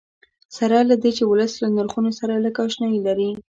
سره له دې چې ولس له نرخونو سره لږ اشنایي لري.